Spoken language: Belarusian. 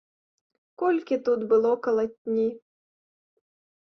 Колькі тут было калатні!